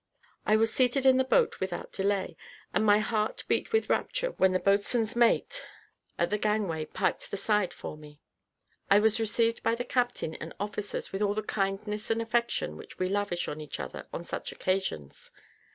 I was seated in the boat without delay, and my heart beat with rapture when the boatswain's mate at the gangway piped the side for me. I was received by the captain and officers with all the kindness and affection which we lavish on each other on such occasions.